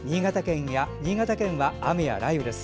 新潟県は雨や雷雨です。